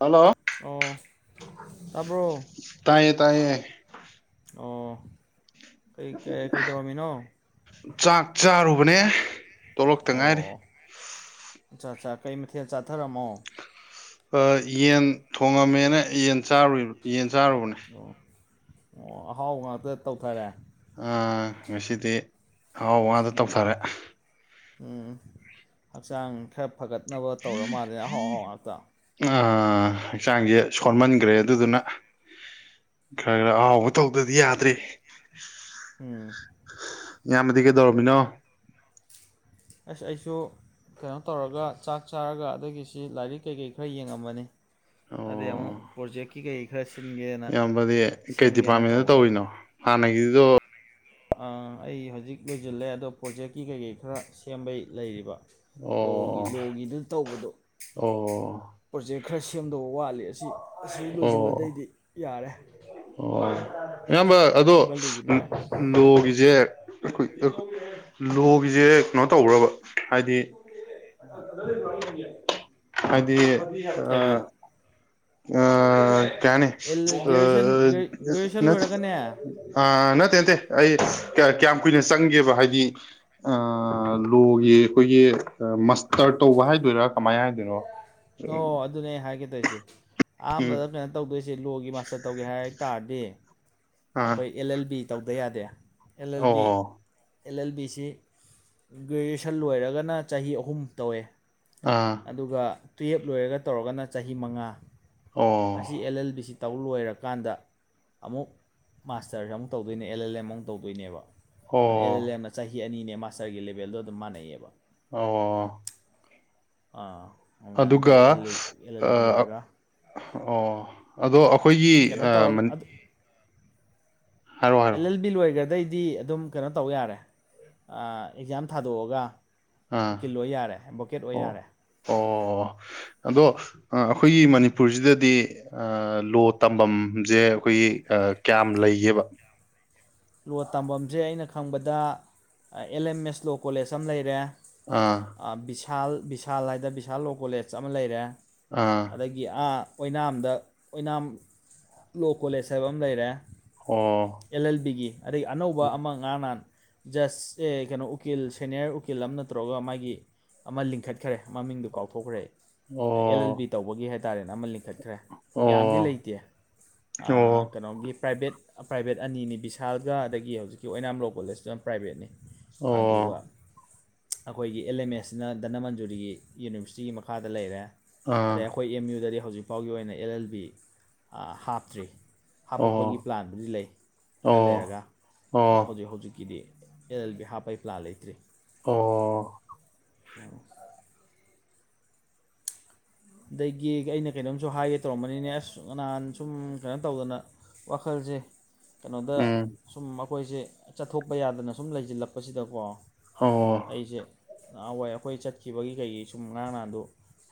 Hello ꯑꯣ ꯇꯥꯕ꯭ꯔꯣ ꯇꯌꯦ ꯇꯥꯏꯌꯦ ꯑꯣ ꯀꯩ ꯀꯩꯗꯧꯔꯝꯃꯤꯅꯣ ꯆꯥꯛ ꯆꯥꯔꯨꯕꯅꯦ ꯇꯣꯂꯛꯇ ꯉꯥꯏꯔꯤ ꯑꯣ ꯑꯠꯆꯥ ꯑꯠꯆꯥ ꯀꯩ ꯃꯊꯦꯜ ꯆꯥꯊꯔꯝꯃꯣ ꯌꯦꯟ ꯊꯣꯡꯉꯝꯃꯦꯅ ꯌꯦꯟ ꯆꯥꯔꯨꯕ꯭ꯔ ꯌꯦꯟ ꯆꯥꯔꯨꯕꯅꯦ ꯑꯣ ꯑꯣ ꯑꯍꯥꯎ ꯉꯥꯛꯇ ꯇꯧꯊꯔꯦ꯫ ꯑ ꯉꯁꯤꯗꯤ ꯑꯍꯥꯎꯕ ꯉꯥꯛꯇ ꯇꯧꯊꯔꯦ꯫ ꯎꯝ ꯍꯛꯆꯥꯡ ꯈꯔ ꯐꯒꯠꯅꯕ ꯇꯧꯔ ꯃꯥꯜꯂꯦ ꯑꯍꯥꯎ ꯑꯍꯥꯎ ꯉꯥꯛꯇ꯫ ꯑ ꯍꯛꯆꯥꯡꯁꯦ ꯁꯣꯟꯃꯟꯈ꯭ꯔꯦ ꯑꯗꯨꯗꯨꯅ ꯈꯔ ꯈꯔ ꯑꯍꯥꯎꯕ ꯇꯧꯗ꯭ꯔꯗꯤ ꯌꯥꯗ꯭ꯔꯦ꯫ ꯎꯝ꯫ ꯏꯌꯥꯝꯕꯗꯤ ꯀꯩꯗꯧꯔꯕꯝꯃꯤꯅꯣ꯫ ꯑꯁ ꯑꯩꯁꯨ ꯀꯩꯅꯣ ꯇꯧꯔꯒ ꯆꯥꯛ ꯆꯥꯔꯒ ꯑꯗꯒꯤꯁꯤ ꯂꯥꯏꯔꯤꯛ ꯀꯩꯀꯩ ꯈꯔ ꯌꯦꯡꯉꯝꯕꯅꯤ꯫ ꯑꯗꯩ ꯑꯃꯨꯛ ꯑꯣ ꯄ꯭ꯔꯣꯖꯦꯛꯀꯤ ꯀꯩ ꯈꯔ ꯁꯤꯟꯒꯦꯅ ꯏꯌꯥꯝꯕꯗꯤ ꯁꯦꯝꯒꯦꯅ ꯇꯧꯕꯅꯤ ꯍꯅꯣ ꯑꯩ ꯍꯧꯖꯤꯛ ꯂꯣꯏꯁꯤꯜꯂꯦ ꯑꯗꯣ ꯄ꯭ꯔꯣꯖꯦꯛꯀꯤ ꯀꯩꯀꯩ ꯈꯔ ꯁꯦꯝꯕꯩ ꯂꯩꯔꯤꯕ ꯂꯣꯒꯤ ꯑꯣ ꯂꯣꯒꯤꯗꯨꯅ ꯇꯧꯕꯗꯣ ꯑꯣ ꯄ꯭ꯔꯣꯖꯦꯛ ꯈꯔ ꯁꯦꯝꯗꯧꯕ ꯋꯥꯠꯂꯤ ꯑꯁꯤ ꯑꯁꯤ ꯑꯣ ꯑꯣ ꯂꯣꯏꯁꯤꯜꯂꯗꯩꯗꯤ ꯌꯥꯔꯦ ꯑꯣ ꯑꯌꯥꯝꯕ ꯑꯗꯣ ꯁꯤꯃ ꯂꯣꯏꯁꯤꯟꯅꯉꯥꯏ ꯂꯣꯒꯤꯁꯦ ꯑꯩꯈꯣꯏ ꯂꯣꯒꯤꯁꯦ ꯀꯩꯅꯣ ꯇꯧ꯭ꯔꯕ ꯍꯥꯏꯗꯤ ꯑꯗꯤ ꯑ ꯀꯔꯤ ꯑ ꯀꯩ ꯍꯥꯏꯅꯤ ꯑ ꯒ꯭ꯔꯦꯖꯨꯋꯦꯁꯟ ꯒ꯭ꯔꯦꯖꯨꯋꯦꯁꯟ ꯅꯠ ꯂꯣꯏꯔꯒꯅꯦ ꯑ ꯅꯠꯇꯦ ꯅꯠꯇꯦ ꯑꯩ ꯀꯌꯥꯝ ꯀꯨꯏꯅ ꯆꯪꯒꯦꯕ ꯍꯥꯏꯗꯤ ꯑ ꯂꯣꯒꯤ ꯑꯩꯈꯣꯏꯒꯤ ꯃꯁꯇꯔ ꯇꯧꯕ ꯍꯥꯏꯗꯣꯏꯔꯥ ꯀꯃꯥꯏꯅ ꯍꯥꯏꯗꯣꯏꯅꯣ ꯑꯣ ꯑꯗꯨꯅꯦ ꯑꯩ ꯍꯥꯏꯒꯦ ꯇꯧꯏꯖꯦ ꯎꯝ ꯑꯍꯥꯟꯕꯗ ꯀꯩꯅꯣ ꯇꯧꯗꯣꯏꯁꯦ ꯂꯣꯒꯤ ꯃꯥꯁꯇꯔ ꯇꯧꯒꯦ ꯍꯥꯏ ꯇꯔꯗꯤ ꯑꯥ ꯑꯩꯈꯣꯏ ꯑꯦꯜ ꯑꯦꯜ ꯕꯤ ꯇꯧꯗ ꯌꯥꯗꯦ ꯑꯦꯜ ꯑꯦꯜ ꯑꯣ ꯕꯤ꯫ ꯑꯦꯜ ꯑꯦꯜ ꯕꯤ ꯁꯤ ꯒ꯭ꯔꯦꯖꯨꯑꯦꯁꯟ ꯂꯣꯏꯔꯒꯅ ꯆꯍꯤ ꯑꯍꯨꯝ ꯇꯧꯋꯦ꯫ ꯑꯥ ꯑꯗꯨꯒ ꯇꯨꯌꯦꯞ ꯂꯣꯏꯔꯒ ꯇꯧꯔꯒꯅ ꯆꯍꯤ ꯃꯉꯥ ꯑꯁꯤ ꯑꯣ ꯑꯦꯜ ꯑꯦꯜ ꯕꯤ ꯁꯤ ꯇꯧ ꯂꯣꯏꯔꯀꯥꯟꯗ ꯑꯃꯨꯛ ꯃꯥꯁꯇꯔꯁꯦ ꯑꯃꯨꯛ ꯇꯧꯗꯣꯏꯅꯦ ꯑꯦꯜ ꯑꯦꯜ ꯑꯦꯝ ꯑꯃꯨꯛ ꯇꯧꯗꯣꯏꯅꯦꯕ ꯑꯗꯨꯗ ꯑꯦꯜ ꯑꯦꯜ ꯑꯣ ꯑꯦꯝꯅ ꯆꯍꯤ ꯑꯅꯤꯅꯦ ꯃꯥꯁꯇꯔꯒꯤ ꯂꯦꯕꯦꯜꯗꯣ ꯑꯗꯨꯝ ꯃꯥꯟꯅꯩꯌꯦꯕ꯫ ꯑꯣ꯫ ꯑꯥ ꯑꯗꯨꯃꯥꯏꯅ ꯇꯧꯋꯦ ꯑꯦ ꯑꯦꯜ ꯑꯗꯨꯒ ꯑꯦꯜꯕꯤ ꯑꯥ ꯂꯣꯏꯔꯒ ꯑꯣ ꯑꯗꯣ ꯑꯩꯈꯣꯏꯒꯤ ꯀꯩꯅꯣ ꯑ ꯇꯧꯔꯒ ꯃꯅꯤ ꯑꯗꯨ ꯍꯥꯏꯔꯣ ꯑꯦꯜ ꯑꯦꯜ ꯕꯤ ꯂꯣꯏꯈ꯭ꯔꯗꯩꯗꯤ ꯑꯗꯨꯝ ꯀꯩꯅꯣ ꯇꯧ ꯌꯥꯔꯦ ꯑꯦꯛꯖꯥꯝ ꯊꯥꯗꯣꯛꯑꯒ ꯑꯥ ꯎꯀꯤꯜ ꯑꯣꯏ ꯌꯥꯔꯦ ꯑꯗꯚꯣꯀꯦꯠ ꯑꯣꯏ ꯌꯥꯔꯦ꯫ ꯑꯣ ꯑꯣ ꯑꯗꯣ ꯑ ꯑꯩꯈꯣꯏꯒꯤ ꯃꯅꯤ ꯃꯅꯤꯄꯨꯔꯁꯤꯗꯗꯤ ꯂꯣ ꯇꯝꯕꯝꯖꯦ ꯑꯩꯈꯣꯏꯒꯤ ꯀꯌꯥꯝ ꯂꯩꯒꯦꯕ꯫ ꯂꯣ ꯇꯝꯖꯝꯖꯦ, ꯑꯩꯅ ꯈꯪꯕꯗ ꯑꯦꯜ ꯑꯦꯝ ꯑꯦꯁ ꯂꯣ ꯀꯣꯂꯦꯖ ꯑꯃ ꯂꯩꯔꯦ꯫ ꯑꯥ꯫ ꯚꯤꯁꯥꯜ ꯚꯤꯁꯥꯜ ꯍꯥꯏꯗꯅ ꯚꯤꯁꯥꯜ ꯂꯣ ꯀꯣꯂꯦꯖ ꯑꯃ ꯂꯩꯔꯦ ꯑꯥ ꯑꯗꯒꯤ ꯒꯤ ꯑꯥ ꯑꯣꯏꯅꯥꯝꯗ ꯑꯣꯏꯅꯥꯝ ꯂꯣ ꯀꯣꯂꯦꯖ ꯍꯥꯏꯕ ꯑꯃ ꯂꯩꯔꯦ꯫ ꯑꯣ꯫ ꯑꯦꯜ ꯑꯦꯜ ꯕꯤ ꯒꯤ ꯑꯗꯒꯤ ꯑꯅꯧꯕ ꯑꯃ ꯉꯔꯥꯡ ꯅꯍꯥꯟ ꯖꯁ ꯑꯦ ꯀꯩꯅꯣ ꯎꯀꯤꯜ ꯁꯦꯅꯤꯌꯔ ꯎꯀꯤꯜ ꯑꯃ ꯅꯠꯇꯧꯒ ꯃꯥꯒꯤ ꯑꯃ ꯂꯤꯡꯈꯠꯈ꯭ꯔꯦ ꯃꯃꯤꯡꯗꯨꯣ ꯀꯥꯎꯊꯣꯛꯈ꯭ꯔꯦ ꯑꯦꯜ ꯑꯦꯜ ꯕꯤ ꯑꯣ ꯇꯧꯕꯒꯤ ꯍꯥꯏꯇꯥꯔꯦꯅ ꯑꯃ ꯂꯤꯡꯈꯠꯈ꯭ꯔꯦ ꯌꯥꯝꯗꯤ ꯑꯣ ꯂꯩꯇꯦ꯫ ꯑ ꯑꯣ ꯀꯩꯅꯣꯒꯤ ꯄ꯭ꯔꯥꯏꯚꯦꯠ ꯄ꯭ꯔꯥꯏꯚꯦꯠ ꯑꯅꯤꯅꯤ ꯚꯤ [unintelligible] ꯑꯗꯒꯤ ꯍꯧꯖꯤꯛꯀꯤ ꯑꯣꯏꯅꯥꯝ ꯂꯣ ꯀꯣꯂꯦꯖꯇꯨꯅ ꯄ꯭ꯔꯥꯏꯚꯦꯠꯅꯤ ꯑꯗꯨꯒ ꯑꯣ ꯑꯩꯈꯣꯏꯒꯤ ꯑꯦꯜ ꯑꯦꯝ ꯑꯦꯁꯅ ꯙꯅꯃꯟꯖꯨꯔꯤꯒꯤ ꯌꯨꯅꯤꯚꯔꯁꯤꯇꯤꯒꯤ ꯃꯈꯥꯗ ꯂꯩꯔꯦ ꯑꯥ ꯑꯗꯩ ꯑꯩꯈꯣꯏ ꯑꯩꯈꯣꯏ ꯑꯦꯝ ꯌꯨꯗꯗꯤ ꯍꯧꯖꯤꯛ ꯐꯥꯎꯒꯤ ꯑꯣꯏꯅ ꯑꯦꯜ ꯑꯦꯜ ꯕꯤ ꯍꯥꯞꯇ꯭ꯔꯤ꯫ ꯑꯣ ꯍꯥꯄꯛꯄꯒꯤ ꯄ꯭ꯂꯥꯟꯕꯨꯗꯤ ꯂꯩ꯫ ꯈꯔ ꯑꯣ ꯂꯩꯔꯒ ꯑꯣ ꯑꯣ ꯑꯗꯣ ꯍꯧꯖꯤꯛ ꯍꯧꯖꯤꯛꯀꯤꯗꯤ ꯑꯦꯜ ꯑꯦꯜ ꯕꯤ ꯍꯥꯞꯄꯩ ꯄ꯭ꯂꯥꯟ ꯂꯩꯇ꯭ꯔꯤ꯫ ꯑꯣ ꯑꯣ ꯑꯗꯒꯤ ꯑꯩꯅ ꯀꯩꯅꯣꯝꯁꯨ ꯍꯥꯏꯒꯦ ꯇꯧꯔꯝꯕꯅꯤꯅꯦ ꯑꯁ ꯅꯍꯥꯟ ꯁꯨꯝ ꯀꯩꯅꯣ ꯇꯧꯗꯅ꯫ ꯋꯥꯈꯜꯁꯦ ꯀꯩꯅꯣꯗ ꯎꯝ ꯁꯨꯝ ꯑꯩꯈꯣꯏꯁꯦ ꯆꯠꯊꯣꯛꯄ ꯌꯥꯗꯅ ꯁꯨꯝ ꯂꯩꯁꯤꯜꯂꯛꯄ ꯁꯤꯗ ꯀꯣ ꯑꯣ ꯑꯩꯁꯦ ꯅꯍꯥꯟꯋꯥꯏ ꯑꯩꯈꯣꯏ ꯆꯠꯈꯤꯕꯒꯤ ꯀꯩꯒꯤ ꯁꯨꯝ ꯉꯔꯥꯡ ꯅꯍꯥꯟ ꯗꯣ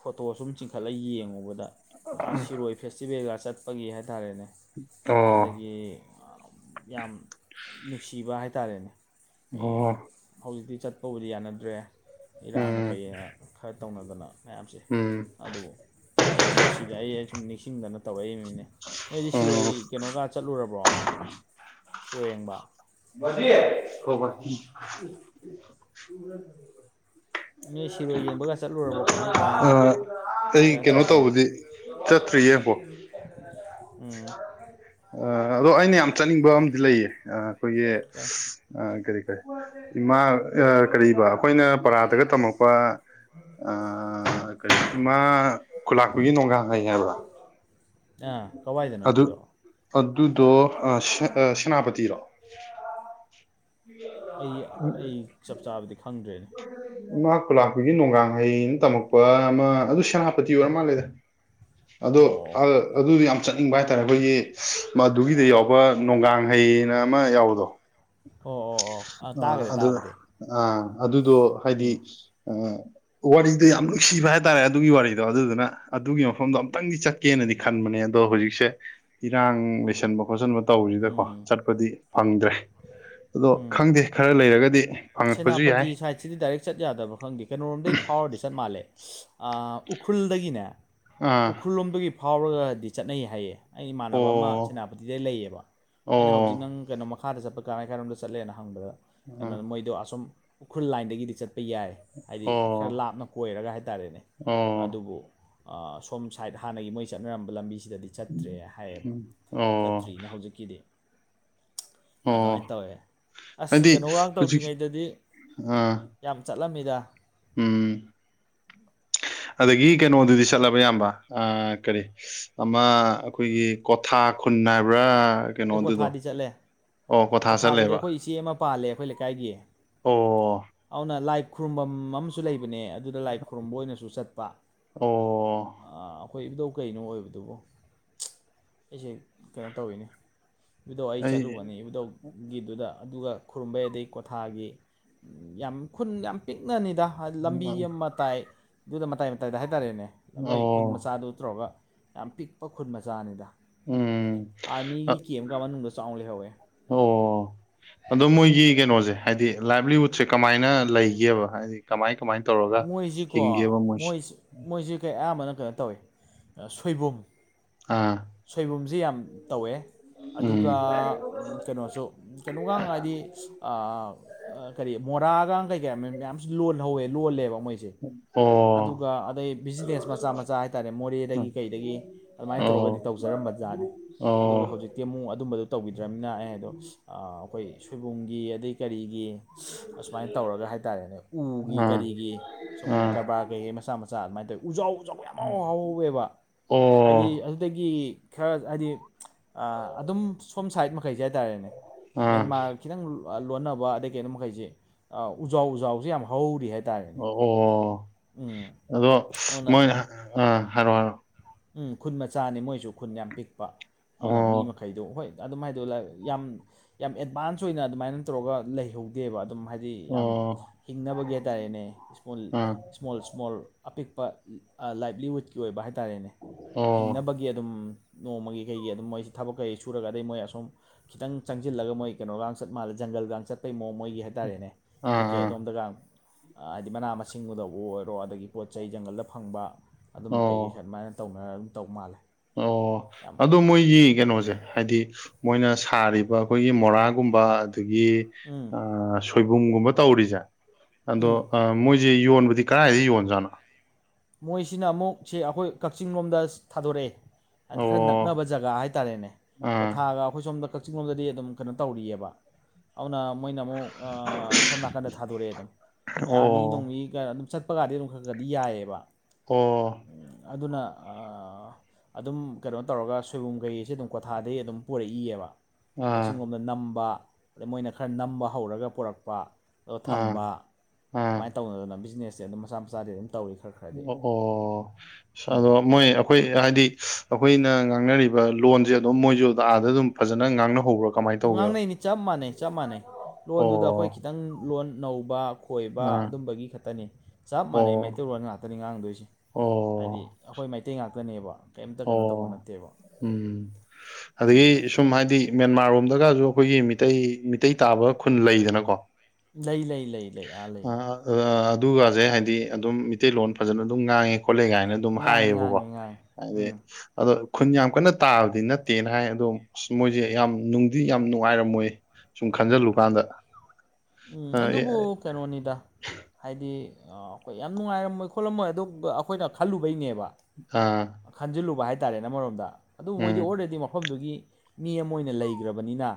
ꯐꯣꯇꯣ ꯁꯨꯝ ꯆꯤꯡꯈꯠꯂ ꯌꯦꯡꯉꯨꯕꯗ꯫ ꯥꯑ ꯁꯤꯔꯣꯏ ꯐꯦꯁꯇꯤꯚꯦꯜꯒ ꯆꯠꯄꯒꯤ ꯍꯥꯏꯇꯥꯔꯦꯅꯦ, ꯑꯣ ꯑꯣ ꯑꯗꯒꯤ ꯌꯥꯝ ꯅꯨꯡꯁꯤꯕ ꯍꯥꯏꯇꯥꯔꯦꯅꯦ꯫ ꯍꯧꯖꯤꯛꯇꯤ ꯆꯠꯄꯕꯨꯗꯤ ꯌꯥꯅꯗ꯭ꯔꯦ, ꯏꯔꯥꯡꯅ ꯎꯝ ꯀꯩꯅ ꯈꯔ ꯇꯧꯅꯗꯅ ꯃꯌꯥꯝꯖꯦ꯫ ꯎꯝ꯫ ꯑꯗꯨꯕꯨ ꯑꯩ ꯅꯨꯡꯁꯤꯗꯅ, ꯑꯩ ꯑꯩ ꯁꯨꯝ ꯅꯤꯡꯁꯤꯡꯗꯅ ꯇꯧꯔꯛꯏ ꯃꯤꯅꯦ꯫ ꯅꯣꯏꯗꯤ ꯁꯤꯔꯣꯏ ꯑꯣ ꯀꯩꯅꯣꯒ ꯆꯠꯂꯨꯔꯕꯣ, ꯁꯤꯔꯣꯏ ꯌꯦꯡꯕ꯫ ꯕꯥꯖꯤ ꯑꯥ ꯅꯣꯏ ꯁꯤꯔꯣꯏ ꯌꯦꯡꯕꯒ ꯆꯠꯂꯨꯔꯕꯣ ꯀꯃꯥꯏ ꯀꯃꯥꯏꯅ ꯑꯩ, ꯀꯩꯅꯣ ꯇꯧꯕꯗꯤ ꯆꯠꯇ꯭ꯔꯤ ꯑꯝꯐꯧ ꯎꯝ꯫ ꯑ ꯑꯗꯣ ꯑꯩꯅ ꯌꯥꯝ ꯆꯠꯅꯤꯡꯕ ꯑꯃꯗꯤ ꯂꯩꯌꯦ, ꯑꯩꯈꯣꯏꯒꯤ ꯑꯦ ꯑꯥ, ꯀꯔꯤ ꯀꯔꯤ ꯏꯃꯥ ꯀꯔꯤꯕ ꯑꯩꯈꯣꯏꯅ ꯄꯔꯥꯗꯒ ꯇꯝꯃꯛꯄ ꯑꯥ, ꯀꯔꯤ ꯏꯃꯥ ꯈꯨꯂꯥꯛꯄꯒꯤ ꯅꯣꯡꯒꯥꯡ ꯍꯩ ꯍꯥꯏꯕ꯭ꯔꯥ꯫ ꯑꯥ ꯀꯋꯥꯏꯗꯅꯣ ꯑꯗꯨ ꯑꯗꯨꯗꯣ ꯑꯗꯨꯗꯣ ꯑꯥ ꯁꯦꯅꯥꯄꯇꯤꯔꯣ, ꯑꯩ ꯑꯩ ꯆꯞ ꯆꯥꯕꯗꯤ ꯈꯪꯗ꯭ꯔꯦꯅꯦ꯫ ꯏꯃꯥ ꯈꯨꯂꯥꯛꯄꯤꯒꯤ ꯅꯣꯡꯒꯥꯡ ꯍꯩꯅ ꯇꯝꯃꯛꯄ ꯑꯃ ꯑꯗꯨ ꯁꯦꯅꯥꯄꯇꯤ ꯑꯣꯏꯔ ꯃꯥꯜꯂꯦꯗ꯫ ꯑꯗꯣ ꯑꯣ ꯑ ꯑꯗꯨ ꯌꯥꯝ ꯆꯠꯅꯤꯡꯕ ꯍꯥꯏꯇꯥꯔꯦ, ꯑꯩꯈꯣꯏꯒꯤ ꯃꯗꯨꯒꯤꯗ ꯌꯥꯎꯕ ꯅꯣꯡꯒꯥꯡ ꯍꯩ ꯍꯥꯏꯅ ꯑꯃ ꯌꯥꯎꯕꯗꯣ ꯑꯣ ꯑꯣ ꯑꯣ ꯑꯥ ꯑ ꯇꯥꯈ꯭ꯔꯦ ꯑꯗꯨ ꯇꯥꯕꯗꯤ ꯑ ꯑꯗꯨꯗꯣ ꯎꯝ ꯍꯥꯏꯗꯤ ꯑ ꯋꯥꯔꯤꯗꯣ ꯌꯥꯝ ꯅꯨꯡꯁꯤꯕ ꯍꯥꯏꯇꯥꯔꯦ, ꯑꯗꯨꯒꯤ ꯋꯥꯔꯤꯗꯣ ꯑꯗꯨꯗꯨꯅ ꯑꯗꯨꯒꯤ ꯃꯐꯝꯗꯣ ꯑꯝꯇꯪꯗꯤ ꯆꯠ ꯀꯦꯅꯗꯤ ꯈꯟꯕꯅꯦ ꯑꯗꯣ ꯍꯧꯖꯤꯛꯁꯦ ꯏꯔꯥꯡ ꯂꯩꯁꯟꯕ ꯈꯣꯠꯆꯟꯕ ꯇꯧꯔꯤꯁꯤꯗ ꯀꯣ ꯎꯝ ꯆꯠꯄꯗꯤ ꯐꯪꯗ꯭ꯔꯦ ꯑꯗꯣ, ꯎꯝ ꯈꯪꯗꯦ ꯈꯔ ꯂꯩꯔꯒꯗꯤ ꯐꯪꯉꯛꯄꯁꯨ ꯌꯥꯏ ꯁꯤꯗꯤ ꯗꯥꯏꯔꯦꯛ ꯆꯠ ꯌꯥꯗꯕ꯭ꯔꯥ ꯈꯪꯗꯦ, ꯀꯩꯅꯣꯔꯣꯝꯗꯩ ꯐꯥꯎꯔꯗꯤ ꯆꯠ ꯃꯥꯜꯂꯦ ꯎꯈ꯭ꯔꯨꯜꯗꯒꯤꯅꯦ꯫ ꯑꯥ ꯎꯈ꯭ꯔꯨꯜ ꯂꯣꯝꯒꯤ ꯐꯥꯎꯔꯒꯗꯤ ꯆꯠꯅꯩ ꯍꯥꯏꯌꯦ ꯑꯩ ꯏꯃꯥꯟꯅꯕ ꯑꯃ ꯑꯣ ꯁꯦꯅꯥꯄꯇꯤꯗꯩ ꯂꯩꯌꯦꯕ ꯑꯣ ꯑꯩꯅ ꯍꯧꯖꯤꯛ ꯅꯪ ꯀꯩꯅꯣꯃ ꯃꯈꯥꯗ ꯆꯠꯄ ꯀꯔꯥꯏ ꯀꯥꯏꯔꯣꯝꯗ ꯆꯠꯂꯦꯅ ꯍꯪꯕꯗ ꯑꯥ ꯀꯩꯅꯣꯗ ꯃꯣꯏꯗꯣ ꯑꯁꯨꯝ ꯎꯈ꯭ꯔꯨꯜ ꯂꯥꯏꯟꯗꯒꯤꯗꯤ ꯆꯠꯄ ꯌꯥꯏ ꯍꯥꯏꯗꯤ ꯑꯣ ꯈꯔ ꯂꯥꯞꯅ ꯀꯣꯏꯔꯒ ꯍꯥꯏꯇꯥꯔꯦꯅꯦ ꯑꯣ ꯑꯗꯨꯕꯨ ꯁꯣꯝ ꯁꯥꯏꯠ ꯍꯥꯟꯅꯒꯤ ꯃꯣꯏ ꯆꯠꯅꯔꯝꯕ ꯂꯝꯕꯤꯁꯤꯗꯗꯤ ꯆꯠꯇ꯭ꯔꯦ ꯍꯥꯏꯌꯦꯕ ꯎꯝ ꯑꯣ ꯆꯠꯇ꯭ꯔꯤꯅ ꯍꯧꯖꯤꯛꯀꯤꯗꯤ ꯑꯣ ꯑꯗꯨꯃꯥꯏꯅ ꯇꯧꯋꯦ ꯑꯁ ꯍꯥꯏꯗꯤ ꯀꯩꯅꯣ ꯋꯥꯡ ꯍꯧꯖꯤꯛ ꯇꯧꯗ꯭ꯔꯤꯉꯩꯗꯗꯤ ꯑꯥ ꯌꯥꯝ ꯆꯠꯂꯝꯃꯤꯗ ꯎꯝ ꯑꯗꯒꯤ ꯀꯩꯅꯣꯗꯨꯗꯤ ꯆꯠꯂꯕ ꯏꯌꯥꯝꯕ ꯑ ꯀꯔꯤ ꯑꯃ ꯑꯩꯈꯣꯏꯒꯤ ꯀꯣꯊꯥ ꯈꯨꯟ ꯍꯥꯏꯕ꯭ꯔꯥ꯫ ꯀꯩꯅꯣꯗꯨꯗꯣ ꯑꯦꯀ꯭ꯋꯥꯊꯥꯗꯤ ꯆꯠꯂꯦ꯫ ꯑꯣ ꯀ꯭ꯋꯥꯊꯥ ꯀꯣꯊꯥꯗꯗꯤ ꯆꯠꯂꯦꯕ ꯑꯩꯈꯣꯏ ꯏꯆꯦ ꯑꯃ ꯄꯥꯜꯂꯦ, ꯑꯩꯈꯣꯏ ꯂꯩꯀꯥꯏꯒꯤ ꯑꯣ ꯑꯗꯨꯅ ꯂꯥꯏ ꯈꯨꯔꯨꯝꯕꯝ ꯑꯃꯁꯨ ꯂꯩꯕꯅꯦ ꯑꯗꯨꯗ ꯂꯥꯏ ꯈꯨꯔꯨꯝꯕ ꯑꯣꯏꯅꯁꯨ ꯆꯠꯄ꯫ ꯑꯣ ꯑꯩꯈꯣꯏ ꯏꯕꯨꯙꯧ ꯀꯩꯅꯣ ꯑꯣꯏꯕꯗꯨꯕꯨ, ꯑꯩꯁꯦ ꯀꯩꯅꯣ ꯇꯧꯔꯤꯅꯦ ꯑꯗꯨꯗꯣ ꯑꯩ ꯆꯠꯂꯨꯕꯅꯤ ꯏꯕꯨꯙꯧ ꯒꯤꯗꯨꯗ ꯑꯗꯨꯒ ꯈꯨꯔꯨꯝꯕꯩ ꯑꯗꯩ ꯀꯣꯊꯥꯒꯤ ꯌꯥꯝ ꯈꯨꯟ ꯌꯥꯝ ꯄꯤꯛꯅꯅꯤꯗ ꯂꯝꯕꯤ ꯑꯃ ꯃꯇꯥꯏꯗꯨꯗ ꯃꯇꯥꯏ ꯃꯇꯥꯏꯗ ꯍꯥꯏꯇꯥꯔꯦꯅꯦ ꯃꯣꯏ ꯈꯨꯟ ꯑꯣ ꯃꯆꯥꯗꯨ ꯇꯧꯔꯒ ꯌꯥꯝ ꯄꯤꯛꯄ ꯈꯨꯠ ꯃꯆꯥꯅꯤꯗ ꯎꯝ ꯑꯥꯔꯃꯤꯒꯤ ꯀꯦꯝꯒ ꯃꯅꯨꯡꯗ ꯆꯥꯎꯅ ꯂꯩꯍꯧꯋꯦ ꯑꯣ ꯑꯗꯣ ꯃꯣꯏꯒꯤ ꯀꯩꯅꯣꯁꯦ ꯍꯥꯏꯗꯤ ꯂꯥꯏꯚꯂꯤꯋꯨꯗꯁꯦ ꯀꯃꯥꯏꯅ ꯂꯩꯒꯦꯕ ꯍꯥꯏꯗꯤ ꯀꯃꯥꯏ ꯀꯃꯥꯏꯅ ꯇꯧꯔꯒ ꯃꯣꯏꯁꯤꯀꯣ ꯍꯤꯡꯒꯦꯕ ꯃꯣꯏꯁꯦ ꯃꯣꯏꯁꯤ ꯃꯣꯏꯁꯤ ꯀꯩ ꯑꯌꯥꯝꯕꯅ ꯀꯩꯅꯣ ꯇꯧꯏꯤ ꯁꯣꯏꯕꯨꯝ ꯑ ꯁꯣꯏꯕꯨꯝꯁꯤ ꯌꯥꯝ ꯇꯧꯋꯦ ꯎꯝ ꯑꯗꯨꯒ ꯀꯩꯅꯣꯁꯨ ꯀꯩꯅꯣꯒ ꯍꯥꯏꯗꯤ ꯀꯔꯤ ꯃꯣꯔꯥꯒ ꯀꯩ ꯀꯥ ꯃꯌꯥꯝꯁꯨ ꯂꯣꯜꯍꯧꯋꯦ ꯂꯣꯜꯂꯦꯕ ꯃꯣꯏꯁꯦ ꯎ ꯎꯝ ꯑꯗꯨꯒ ꯑꯗꯩ ꯕꯤꯖꯤꯅꯦꯁ ꯃꯆꯥ ꯃꯆꯥ ꯍꯥꯏꯇꯥꯔꯦ ꯃꯣꯔꯦꯗꯒꯤ ꯀꯩꯗꯒꯤ ꯑꯗꯨꯃꯥꯏꯅ ꯇꯧꯔꯒꯗꯤ ꯑꯣ ꯍꯧꯖꯝꯕꯖꯥꯠꯅꯤ ꯑꯣ ꯑꯗꯨꯕꯨ ꯍꯧ ꯍꯧꯖꯤꯛꯇꯤ ꯑꯃꯨꯛ ꯑꯗꯨꯝꯕꯗꯨꯣ ꯇꯧꯕꯤꯗ꯭ꯔꯝꯅꯤꯅ ꯑꯩ ꯑꯗꯣ ꯑꯩꯈꯣꯏ ꯁꯣꯏꯕꯨꯝꯒꯤ ꯑꯗꯩ ꯀꯔꯤꯒꯤ ꯑꯁꯨꯃꯥꯏꯅ ꯇꯧꯔꯒ ꯍꯥꯏꯇꯥꯔꯦꯅꯦ ꯎꯒꯤ ꯑꯥ ꯀꯔꯤꯒꯤ ꯁꯨꯝ ꯑꯥ ꯀꯔꯕꯥꯔ ꯀꯩꯀꯩ ꯃꯆꯥ ꯃꯆꯥ ꯑꯗꯨꯃꯥꯏꯅ ꯇꯧꯋꯤ ꯎꯖꯥꯎ ꯎꯖꯥꯎ ꯌꯥꯝ ꯍꯥꯎ ꯍꯥꯎꯍꯥꯎꯋꯦꯕ ꯑꯣ ꯍꯥꯏꯗꯤ ꯑꯒꯤ ꯈꯔ ꯍꯥꯏꯗꯤ ꯑꯗꯨꯝ ꯁꯣꯝ ꯁꯥꯏꯠ ꯃꯈꯩꯁꯦ ꯍꯥꯏꯇꯥꯔꯦꯅꯦ ꯑꯥ ꯃꯦꯟꯃꯥꯔ ꯈꯤꯇꯪ ꯂꯣꯟꯅꯕ ꯑꯗꯩ ꯀꯩꯅꯣ ꯃꯈꯩꯁꯦ ꯎꯖꯥꯎ ꯎꯖꯥꯎꯁꯦ ꯌꯥꯝ ꯍꯧꯔꯤ ꯍꯥꯏꯕ ꯑꯣ ꯑꯣ ꯑꯗꯣ ꯑꯗꯨꯅ ꯃꯣꯏꯅ ꯑꯥ ꯍꯥꯏꯔꯣꯑꯣ ꯍꯥꯏꯔꯣꯑꯣ ꯎꯝ ꯈꯨꯟ ꯃꯆꯥꯅꯤ ꯃꯣꯏꯁꯨ ꯈꯨꯟ ꯌꯥꯝ ꯄꯤꯛꯄ ꯑꯗꯨꯅ ꯃꯤ ꯃꯈꯜ ꯑꯣ ꯃꯈꯩꯗꯣ ꯍꯣꯏ ꯑꯗꯨꯝꯥꯏꯗꯣ ꯌꯥꯝ ꯌꯥꯝ ꯑꯦꯗꯚꯥꯟꯁ ꯑꯣꯏꯅ ꯑꯗꯨꯃꯥꯏꯅ ꯇꯧꯔꯒ ꯂꯩꯍꯧ ꯗꯦꯕ ꯑꯗꯨꯝ ꯍꯥꯏꯗꯤ ꯌꯥꯝ ꯑꯣ ꯍꯤꯡꯅꯕꯒꯤ ꯍꯥꯏꯇꯥꯔꯦꯅꯦ ꯏꯁꯃꯨꯜ ꯑꯥ ꯁ꯭ꯃꯣꯜ ꯁ꯭ꯃꯣꯜ ꯑꯄꯤꯛꯄ ꯂꯥꯏꯕꯂꯤꯋꯨꯗꯀꯤ ꯑꯣꯏꯕ ꯍꯥꯏꯇꯥꯔꯦꯅꯦ ꯑꯣ ꯍꯤꯡꯅꯕꯒꯤ ꯑꯗꯨꯝ ꯅꯣꯡꯃꯒꯤ ꯀꯩꯒꯤ ꯑꯗꯨꯝ ꯃꯣꯏꯁꯤ ꯊꯕꯛꯈꯩ ꯁꯨꯔꯒ ꯑꯗꯩ ꯃꯣꯏ ꯑꯁꯨꯝ ꯈꯤꯇꯪ ꯆꯪꯁꯤꯜꯂꯒ ꯃꯣꯏ ꯀꯩꯅꯣꯒ ꯆꯠ ꯃꯥꯜꯂꯦ ꯖꯪꯒꯜꯒ ꯆꯠꯇꯩ ꯃꯣ ꯃꯣꯏꯒꯤ ꯍꯥꯏꯗꯤ ꯍꯥꯏꯇꯥꯔꯦꯅꯦ ꯑꯥ ꯀꯩꯀꯩ ꯑꯥ ꯑꯗꯣꯝꯗꯒ ꯍꯥꯏꯗꯤ ꯃꯅꯥ ꯃꯁꯤꯡꯕꯨꯗꯕꯨ ꯑꯣꯏꯔꯣ ꯑꯗꯒꯤ ꯄꯣꯠ ꯆꯩ ꯖꯪꯒꯜꯗ ꯐꯪꯕ ꯑꯗꯨꯝꯕ ꯀꯩꯀꯩ ꯑꯣ ꯑꯗꯨꯃꯥꯏꯅ ꯇꯧꯅꯔ ꯑꯗꯨꯝ ꯇꯧ ꯃꯥꯜꯂꯦ ꯑꯣ ꯌꯥꯝ ꯑꯗꯨꯣ ꯃꯣꯏꯒꯤ ꯀꯩꯅꯣꯁꯦ ꯍꯥꯏꯗꯤ ꯃꯣꯏꯅ ꯁꯥꯔꯤꯕ ꯑꯩꯈꯣꯏꯒꯤ ꯃꯣꯔꯥꯒꯨꯝꯕ ꯑꯗꯒꯤ ꯎꯝ ꯑ ꯁꯣꯏꯕꯨꯝꯒꯨꯝꯕ ꯇꯧꯔꯤꯁꯦ ꯑꯗꯣ ꯎꯝ ꯃꯣꯏꯁꯤ ꯌꯣꯟꯕꯗꯤ ꯀꯗꯥꯥꯏꯏꯗ ꯌꯣꯟꯖꯥꯠꯅꯣ ꯃꯣꯏꯁꯤꯅ ꯑꯃꯨꯛꯁꯦ ꯑꯩꯈꯣꯏ ꯀꯛꯆꯤꯡ ꯂꯣꯝꯗ ꯊꯥꯗꯣꯔꯛꯑꯦ ꯍꯥꯏꯅ ꯑꯣ ꯈꯔ ꯅꯛ ꯀꯛꯅꯕ ꯖꯒꯥ ꯍꯥꯏꯇꯥꯔꯦꯅꯦ ꯑꯥ ꯀ꯭ꯋꯥꯊꯥꯒ ꯑꯩꯈꯣꯏ ꯁꯣꯝꯗ ꯀꯛꯆꯤꯡ ꯂꯣꯝꯗꯗꯤ ꯑꯗꯨꯝ ꯀꯩꯅꯣ ꯇꯧꯔꯤꯑꯕ ꯑꯗꯨꯅ ꯃꯣꯏꯅ ꯑꯃꯨꯛ ꯁꯣꯝ ꯅꯥꯀꯟꯗ ꯊꯥꯗꯣꯔꯛꯑꯦ ꯑꯗꯨꯝ ꯑꯩꯣꯏ ꯑꯣ ꯑꯥꯔꯃꯤ ꯅꯣꯡꯃꯤ ꯑꯗꯨꯝ ꯆꯠꯄꯒꯗꯤ ꯑꯗꯨꯝ ꯈꯔꯒꯗꯤ ꯌꯥꯏꯑꯌꯦꯕ ꯑꯣ ꯑꯗꯨꯅ ꯑꯗꯨꯝ ꯀꯩꯅꯣ ꯇꯧꯔꯒ ꯁꯣꯏꯕꯨꯝꯈꯩꯁꯦ ꯑꯗꯨꯝ ꯀ꯭ꯋꯥꯊꯥꯗꯒꯤꯩ ꯑꯗꯨꯝ ꯄꯨꯔꯛꯏꯑꯕ ꯑꯥ ꯀꯛꯆꯤꯡ ꯂꯣꯝꯗ ꯅꯝꯕ ꯑꯗꯩ ꯃꯣꯏꯅ ꯈꯔ ꯅꯝꯕ ꯍꯧꯔꯒ ꯄꯨꯔꯛꯄ ꯑ ꯑꯥ ꯊꯝꯕ ꯑꯥ ꯑꯗꯨꯃꯥꯏꯅ ꯇꯧꯅꯗꯅ ꯕꯤꯖꯤꯅꯦꯁꯁꯦ ꯑꯗꯨꯝ ꯃꯆꯥ ꯃꯆꯥꯗꯤ ꯑꯗꯨꯝ ꯇꯧꯔꯤ ꯈꯔ ꯈꯔ ꯑꯣ ꯑꯣ ꯑꯗꯣ ꯃꯣꯏ ꯑꯩꯈꯣꯏ ꯍꯥꯏꯗꯤ ꯑꯩꯈꯣꯏꯅ ꯉꯥꯡꯅꯔꯤꯕ ꯂꯣꯟꯁꯦ ꯑꯗꯨꯝ ꯃꯣꯏꯁꯨ ꯑꯥꯗ ꯑꯗꯨꯝ ꯐꯖꯅ ꯉꯥꯡꯅꯍꯧꯕꯔ ꯉꯥꯡꯅꯩꯅꯤ ꯆꯞ ꯃꯥꯟꯅꯩ ꯆꯞ ꯃꯥꯟꯅꯩ ꯂꯣꯟꯗꯨꯗ ꯑꯩꯈꯣꯏ ꯑꯣ ꯈꯤꯇꯪ ꯂꯣꯟ ꯅꯧꯕ ꯀꯣꯏꯕ ꯑꯥ ꯑꯗꯨꯝꯕꯒꯤ ꯈꯛꯇꯅꯤ ꯆꯞ ꯃꯥꯟꯅꯩ ꯑꯣ ꯃꯩꯇꯩꯔꯣꯟꯜ ꯉꯥꯛꯇꯅꯤ ꯉꯥꯡꯗꯣꯏꯁꯦ ꯍꯥꯏꯗꯤ ꯑꯣ ꯑꯩꯈꯣꯏ ꯃꯩꯇꯩ ꯉꯥꯛꯇꯅꯦꯕ ꯀꯩꯝꯇ ꯑꯣ ꯀꯩꯅꯣ ꯇꯧꯕ ꯅꯠꯇꯦꯕ ꯎꯝ ꯑꯗꯒꯤ ꯁꯨꯝ ꯍꯥꯏꯗꯤ ꯃꯦꯟꯃꯥꯔ ꯂꯣꯝꯗꯒꯁꯨ ꯑꯩꯈꯣꯏꯒꯤ ꯃꯤꯇꯩ ꯃꯤꯇꯩ ꯇꯥꯕ ꯈꯨꯟ ꯂꯩꯗꯅꯀꯣ ꯂꯩ ꯂꯩ ꯂꯩ ꯂꯩ ꯑꯥ ꯂꯩ ꯑꯗꯨꯒꯁꯦ ꯍꯥꯏꯗꯤ ꯑꯗꯨꯝ ꯃꯤꯇꯩꯇꯩꯂꯣꯟ ꯐꯖꯅ ꯑꯗꯨꯝ ꯉꯥꯡꯉꯦ ꯈꯣꯠꯂꯦ ꯀꯥꯏꯅ ꯑꯗꯨꯝ ꯉꯥꯡꯉꯤ ꯍꯥꯏꯌꯦꯕꯀꯣ ꯉꯥꯡꯉꯤ ꯉꯥꯡꯉꯤ ꯍꯥꯏꯗꯤ ꯎꯝ ꯑꯗꯣ ꯈꯨꯟ ꯌꯥꯝ ꯀꯟꯅ ꯇꯥꯕꯗꯤ ꯅꯠꯇꯦꯅ ꯍꯥꯏ ꯑꯗꯣ ꯑꯁ ꯃꯣꯏꯁꯦ ꯌꯥꯝ ꯅꯨꯡꯗꯤ ꯌꯥꯝ ꯅꯨꯡꯉꯥꯏꯔꯝꯃꯣꯏ ꯁꯨꯝ ꯈꯟꯖꯤꯜꯂꯨꯀꯥꯟꯗ ꯎꯝ ꯑꯗꯨꯕꯨ ꯀꯩꯅꯣꯅꯤꯗ ꯍꯥꯏꯗꯤ ꯑꯩꯈꯣꯏ ꯌꯥꯝ ꯅꯨꯡꯉꯥꯏꯔꯝꯃꯣꯏ ꯈꯣꯠꯂꯝꯃꯣꯏ ꯑꯗꯨꯒ ꯑꯩꯈꯣꯏꯅ ꯈꯜꯂꯨꯕꯩꯅꯦꯕ ꯑꯥ ꯈꯟꯖꯤꯜꯂꯨꯕ ꯍꯥꯏꯇꯥꯥꯔꯦ ꯅ ꯑꯃꯔꯣꯝꯗ ꯑꯗꯨꯕꯨ ꯃꯣꯏꯗꯤ ꯎꯝ ꯑꯣꯜꯔꯦꯗꯤ ꯃꯐꯝꯗꯨꯒꯤ ꯃꯤ ꯑꯃ ꯑꯣꯏꯅ ꯂꯩꯈ꯭ꯔꯕꯅꯤꯅ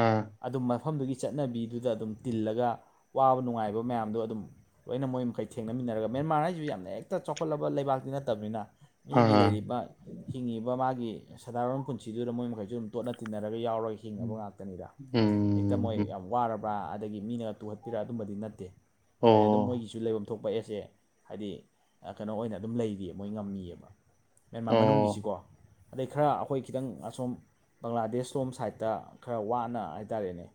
ꯑꯥ ꯑꯗꯨꯝ ꯃꯐꯝꯗꯨꯒꯤ ꯆꯠꯅꯕꯤꯗꯨꯗ ꯑꯗꯨꯝ ꯇꯤꯜꯂꯒ ꯋꯥꯕ ꯅꯨꯡꯉꯥꯏꯕ ꯃꯌꯥꯝꯗꯣ ꯑꯗꯨꯝ ꯂꯣꯏꯅ ꯃꯣꯏ ꯃꯈꯩ ꯊꯦꯡꯅꯃꯤꯟꯅꯔꯒ ꯃꯦꯟꯃꯥꯔ ꯍꯥꯏꯁꯤꯁꯨ ꯌꯥꯝꯅ ꯍꯦꯛꯇ ꯆꯥꯎꯈꯠꯂꯕ ꯂꯩꯕꯥꯛꯇꯤ ꯅꯠꯇꯕꯅꯤꯅ ꯃꯤꯒꯤ ꯑꯥ ꯂꯩꯔꯤꯕ ꯍꯤꯡꯉꯤꯕ ꯃꯥꯒꯤ ꯁꯗꯥꯔꯣꯟ ꯄꯨꯟꯁꯤꯗꯨꯗ ꯃꯣꯏ ꯃꯈꯩꯁꯨ ꯑꯗꯨꯝ ꯇꯣꯠꯅ ꯇꯤꯟꯅꯔꯒ ꯌꯥꯎꯔꯏ ꯍꯤꯡꯉꯕ ꯉꯥꯛꯇꯅꯤꯗ ꯍꯦꯛꯇ ꯃꯣꯏ ꯎꯝ ꯌꯥꯝ ꯋꯥꯔꯕ ꯑ ꯃꯤꯅ ꯇꯨꯍꯠꯄꯤꯔ ꯑꯗꯨꯝꯕꯗꯤ ꯅꯠꯇꯦ ꯍꯥꯏꯗꯤ ꯑꯗꯨꯝ ꯑꯣ ꯃꯣꯏ ꯁꯨ ꯂꯩꯐꯝ ꯊꯣꯛꯄ ꯑꯦꯁꯦ ꯍꯥꯏꯗꯤ ꯀꯩꯅꯣ ꯑꯣꯏꯅ ꯑꯗꯨꯝ ꯂꯩꯔꯤꯑ ꯃꯣꯏ ꯉꯝꯃꯤꯑꯕ ꯃꯦꯟꯃꯥꯔ ꯑꯣ ꯃꯅꯨꯡꯒꯤꯁꯤꯀꯣ ꯑꯗꯩ ꯈꯔ ꯑꯩꯈꯣꯏ ꯈꯤꯇꯪ ꯑꯁꯣꯝ ꯕꯪꯒ꯭ꯂꯥꯗꯦꯁ ꯂꯣꯝ ꯁꯥꯏꯠꯇ ꯈꯔ ꯋꯥꯅ ꯍꯥꯏꯇꯥꯔꯦꯅꯦ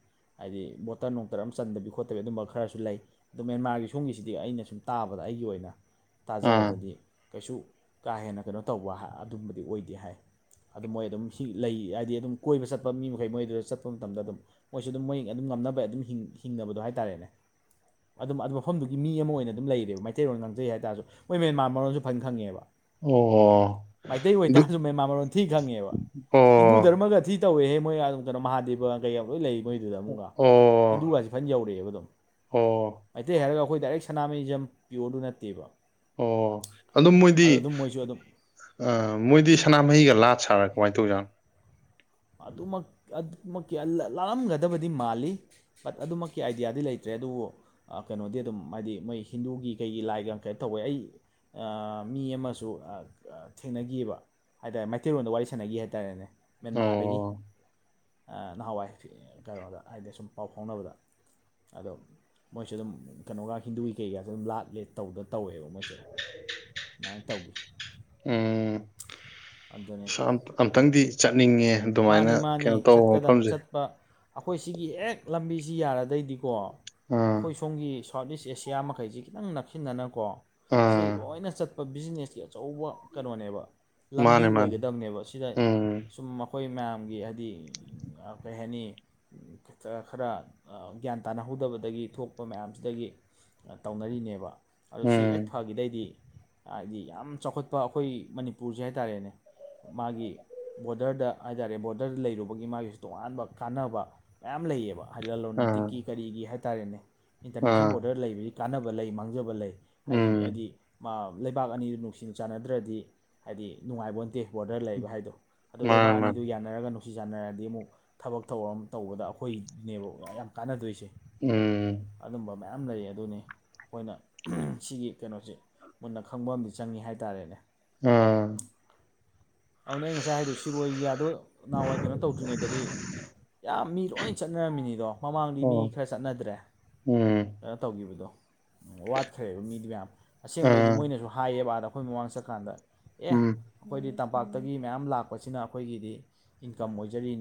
ꯍꯥꯏꯗꯤ ꯕꯣꯇꯜ ꯅꯨꯡ ꯑꯣꯗꯔ ꯑꯃ ꯆꯟꯗꯕꯤ ꯈꯣꯠꯇꯕꯤ ꯑꯗꯨꯝꯕ ꯈꯔꯁꯨ ꯂꯩ ꯑꯣ ꯃꯦꯟꯃꯥꯔꯒꯤ ꯁꯣꯝꯒꯤꯁꯤꯗꯤ ꯑꯩꯅ ꯁꯨꯝ ꯇꯥꯕꯗ ꯑꯩꯒꯤ ꯑꯣꯏꯅ ꯑꯥ ꯇꯥꯖꯕꯗꯗꯤ ꯀꯩꯁꯨ ꯀꯥ ꯍꯦꯟꯅ ꯀꯩꯅꯣ ꯇꯧꯕ ꯑꯗꯨꯝꯕꯗꯤ ꯑꯣꯏꯗꯦ ꯍꯥꯏ ꯑꯗꯨ ꯃꯣꯏ ꯑꯗꯨꯝ ꯁꯤ ꯂꯩ ꯍꯥꯏꯗꯤ ꯑꯗꯨꯝ ꯀꯣꯏꯕ ꯆꯠꯄ ꯃꯤ ꯃꯈꯩ ꯃꯣꯏꯗꯨꯗ ꯆꯠꯄ ꯃꯇꯝꯗ ꯑꯗꯨꯝ ꯃꯣꯏꯁꯨ ꯑꯗꯨꯝ ꯃꯣꯏ ꯑꯗꯨꯝ ꯉꯝꯅꯕ ꯑꯗꯨꯝ ꯍꯤꯡꯅꯕꯗꯣ ꯍꯥꯏꯇꯥꯔꯦꯅꯦ ꯑꯗꯨꯝ ꯑꯗꯨ ꯃꯐꯝꯗꯨꯒꯤ ꯃꯤ ꯑꯃ ꯑꯣꯏꯅ ꯑꯗꯨꯝ ꯂꯩꯔꯦꯕ ꯃꯩꯇꯩꯂꯣꯟ ꯑꯣꯏꯅ ꯉꯥꯡꯖꯩ ꯍꯥꯏꯇꯥꯥꯔꯁꯨ ꯃꯣꯏ ꯃꯦꯟꯃꯥꯔ ꯃꯔꯣꯟꯁꯨ ꯐꯅ ꯈꯪꯉꯦꯕ ꯑꯣ ꯃꯩꯇꯩ ꯑꯗꯨ ꯑꯣꯏꯇꯥꯁꯨ ꯃꯩꯃꯥ ꯃꯔꯂꯣꯟ ꯊꯤ ꯈꯪꯉꯦꯕ ꯍꯤꯟꯗꯨ ꯑꯣ ꯗꯙꯔꯃꯒ ꯊꯤ ꯇꯧꯏꯦꯍꯦ ꯃꯣꯏ ꯑꯗꯨꯝꯩꯅ ꯃꯍꯥꯗꯦꯕꯒ ꯀꯩ ꯌꯥꯝ ꯂꯣꯏ ꯂꯩ ꯃꯣꯏꯗꯨꯗ ꯑꯃꯨꯛꯒ ꯑꯣ ꯍꯤꯟꯗꯨꯒꯁꯤꯦ ꯐꯖꯅ ꯌꯧꯔꯛꯑꯦꯕ ꯑꯗꯨꯝ ꯑꯣ ꯃꯩꯇꯩ ꯍꯥꯏꯔꯒ ꯑꯩꯈꯣꯏ ꯗꯥꯏꯔꯦꯛ ꯁꯅꯥꯃꯍꯤꯖꯝ ꯄꯤꯌꯣꯔꯗꯨ ꯅꯠꯇꯦꯕ ꯑꯣ ꯑꯗꯨꯝ ꯃꯣꯏꯗꯤ ꯑꯗꯣ ꯑꯗꯨꯝ ꯃꯣꯏꯁꯨ ꯑꯗꯨꯝ ꯑ ꯃꯣꯏꯗꯤ ꯁꯅꯥꯃꯍꯤꯒ ꯂꯥꯠ ꯁꯥꯔꯥ ꯀꯃꯥꯏꯅ ꯇꯧꯖꯥꯠꯅꯣ ꯑꯗꯨꯃꯛ ꯑꯗꯨꯃꯛ ꯂꯥꯜꯂꯝꯒꯗꯕꯗꯤ ꯃꯥꯜꯂꯤ ꯕꯠ ꯑꯗꯨꯃꯛꯀꯤ ꯑꯥꯏꯗꯤꯌꯥꯗꯤ ꯂꯩꯇ꯭ꯔꯦ ꯑꯗꯨꯕꯨ ꯀꯩꯅꯣꯗꯤ ꯑꯗꯨꯝ ꯍꯥꯏꯗꯤ ꯃꯣꯏ ꯍꯤꯟꯗꯨꯒꯤ ꯀꯩꯒꯤ ꯂꯥꯏꯒ ꯀꯩ ꯇꯧꯋꯦ ꯑꯩ ꯑ ꯃꯤ ꯑꯃꯁꯨ ꯊꯦꯡꯅꯒꯤꯕ ꯍꯥꯏꯇꯥꯔꯦ ꯃꯩꯇꯩꯂꯣꯟꯗ ꯋꯥꯔꯤ ꯁꯥꯟꯅꯈꯤ ꯍꯥꯏꯇꯥꯔꯦꯅꯦ ꯃꯦꯟꯃꯥꯔꯗꯒꯤ ꯑꯣ ꯅꯍꯥꯟꯋꯥꯏ ꯀꯩꯅꯣꯗ ꯍꯥꯏꯗꯤ ꯁꯨꯝ ꯄꯥꯎ ꯐꯥꯎꯅꯕꯗ ꯑꯗꯣ ꯃꯣꯏꯁꯨ ꯑꯗꯨꯝ ꯀꯩꯅꯣꯒ ꯍꯤꯟꯗꯨꯒꯤ ꯀꯩꯀꯁꯨ ꯑꯗꯨꯝ ꯂꯥꯠ ꯂꯦꯠ ꯇꯧꯗ ꯇꯧꯋꯦꯕ ꯃꯣꯏ ꯆ ꯑꯗꯨꯃꯥꯏꯅ ꯇꯧꯈꯤ ꯑꯗꯨꯅꯤ ꯎꯝ ꯑꯝꯇꯪꯗꯤ ꯆꯠꯅꯤꯡꯉꯦ ꯑꯗꯨꯃꯥꯏꯅ ꯃꯥꯅꯤ ꯃꯥꯅꯤ ꯀꯩꯅꯣ ꯇꯧꯕ ꯆꯠꯀꯗꯝ ꯃꯐꯝꯁꯦ ꯆꯠꯄ ꯑꯩꯈꯣꯏ ꯁꯤꯒꯤ ꯍꯦꯛ ꯂꯝꯕꯤꯁꯤ ꯌꯥꯔꯗꯩꯗꯤꯀꯣ ꯑꯥ ꯑꯩꯈꯣꯏ ꯁꯣꯝꯒꯤ ꯁꯥꯎꯠ ꯏꯁ ꯑꯦꯁꯤꯌꯥ ꯃꯈꯩꯁꯤ ꯈꯤꯇꯪ ꯅꯛꯁꯤꯟꯅꯗꯅꯀꯣ ꯁꯤꯗꯒꯤ ꯑꯥ ꯂꯣꯏꯅ ꯆꯠ ꯑ ꯕꯤꯖꯤꯅꯦꯁꯀꯤ ꯑꯆꯧꯕ ꯀꯩꯅꯣꯅꯦꯕ ꯂꯝꯕꯤ ꯃꯥꯅꯦ ꯃꯥꯅꯦ ꯑꯣꯏꯒꯗꯕꯅꯦꯕ ꯁꯤꯗ ꯎꯝ ꯁꯨꯝ ꯑꯩꯈꯣꯏ ꯃꯌꯥꯝꯒꯤ ꯍꯥꯏꯗꯤ ꯀꯔꯤ ꯍꯥꯏꯅꯤ ꯈꯤ ꯈꯔ ꯒ꯭ꯌꯥꯟ ꯇꯥꯅꯍꯧꯗꯕꯗꯒꯤ ꯊꯣꯛꯄ ꯃꯌꯥꯝꯁꯤꯗꯒꯤ ꯇꯧꯅꯔꯤꯅꯦꯕ ꯑꯣ ꯁꯤ ꯎꯝ ꯍꯦꯛ ꯐꯥꯒꯤꯗꯩꯗꯤ ꯍꯥꯏꯗꯤ ꯌꯥꯝ ꯆꯥꯎꯈꯠꯄ ꯑꯩꯈꯣꯏ ꯃꯅꯤꯄꯨꯔꯁꯦ ꯍꯥꯏꯇꯥꯔꯦꯅꯦ ꯃꯥꯒꯤ ꯕꯣꯔꯗꯔꯗ ꯍꯥꯏꯇꯥꯔꯦ ꯕꯣꯔꯗꯔꯗ ꯂꯩꯔꯨꯕꯒꯤ ꯃꯥꯒꯤꯁꯨ ꯇꯣꯉꯥꯟꯕ ꯀꯥꯟꯅꯕ ꯃꯌꯥꯝ ꯂꯩꯌꯦꯕ ꯍꯥꯏꯗꯤ ꯂꯂꯣꯟ ꯑꯥ ꯏꯇꯤꯛꯀꯤ ꯀꯔꯤꯒꯤ ꯍꯥꯏꯇꯥꯔꯦꯅꯦ ꯏꯟꯇꯔꯅꯦꯁꯅꯦꯜ ꯑꯥ ꯕꯣꯔꯗꯔ ꯂꯩꯕꯒꯤ ꯀꯥꯟꯅꯕ ꯂꯩ ꯃꯥꯡꯖꯕ ꯂꯩ ꯍꯥꯏꯗꯤ ꯎꯝ ꯍꯥꯏꯗꯤ ꯂꯩꯕꯥꯛ ꯑꯅꯤꯗꯨ ꯅꯨꯡꯁꯤꯅ ꯆꯥꯟꯅꯗ꯭ꯔꯗꯤ ꯍꯥꯏꯗꯤ ꯅꯨꯡꯉꯥꯏꯕꯟꯇꯦ ꯕꯣꯔꯗꯔ ꯂꯩꯕ ꯍꯥꯏꯗꯣ ꯑꯗꯨꯣ ꯃꯥꯅꯦ ꯂꯩꯕꯥꯛ ꯑꯅꯤ ꯃꯥꯅꯦ ꯌꯥꯅꯔꯒ ꯅꯨꯡꯁꯤ ꯆꯥꯟꯅꯔꯗꯤ ꯑꯃꯨꯛ ꯊꯕꯛ ꯊꯧꯔ ꯑꯃ ꯇꯧꯕꯗ ꯑꯩꯈꯣꯏꯅꯦꯕ ꯌꯥꯝ ꯀꯥꯟꯅꯗꯣꯏꯁꯦ꯫ ꯎꯝ꯫ ꯑꯗꯨꯝꯕ ꯃꯌꯥꯝ ꯂꯩ ꯑꯗꯨꯅꯤ꯫ ꯑꯩꯈꯣꯏꯅ ꯁꯤꯒꯤ ꯀꯩꯅꯣꯁꯤ ꯃꯨꯟꯅ ꯈꯪꯕ ꯑꯃꯗꯤ ꯆꯪꯉꯤ ꯍꯥꯏꯇꯥꯔꯦꯅꯦ꯫ ꯎꯝ꯫ ꯑꯗꯨꯅꯦ ꯑꯩ ꯉꯁꯥꯏ ꯍꯥꯏꯗꯣꯏ ꯁꯤꯔꯣꯏꯒꯤꯌꯥꯗꯣ ꯅꯍꯥꯟꯋꯥꯏ ꯀꯩꯅꯣ ꯇꯧꯗ꯭ꯔꯤꯉꯩꯗꯗꯤ꯫ ꯌꯥꯝ ꯃꯤ ꯂꯣꯏ ꯆꯠꯅꯔꯝꯃꯤꯅꯤꯗꯣ ꯃꯃꯥꯡꯗꯤ ꯑꯣ ꯃꯤ ꯈꯔ꯫ ꯆꯠꯅꯗ꯭ꯔꯦ ꯎꯝ ꯀꯩꯅꯣ ꯇꯧꯈꯤꯕꯗꯣ ꯋꯥꯠꯈ꯭ꯔꯦꯕ ꯃꯤꯗꯨ ꯃꯌꯥꯝ꯫ ꯑꯁꯦꯡꯕꯩꯗꯤ ꯑꯥ ꯃꯣꯏꯅꯁꯨ ꯍꯥꯏꯌꯦꯕ ꯑꯥꯗ ꯑꯩꯈꯣꯏ ꯃꯃꯥꯡꯗ ꯆꯠꯀꯥꯟꯗ ꯑꯦ ꯎꯝ ꯑꯩꯈꯣꯏꯗꯤ ꯇꯝꯄꯥꯛ ꯇꯝꯄꯥꯛꯇꯒꯤ ꯃꯌꯥꯝ ꯂꯥꯛꯄꯁꯤꯅ ꯑꯩꯈꯣꯏꯒꯤꯗꯤ ꯏꯟꯀꯝ ꯑꯣꯏꯖꯔꯤꯅꯤ